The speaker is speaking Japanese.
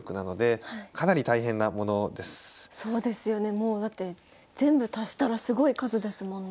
もうだって全部足したらすごい数ですもんね。